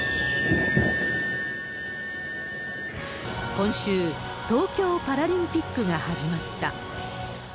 今週、東京パラリンピックが始まった。